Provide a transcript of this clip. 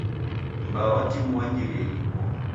M'baa wa timu wangirie iguo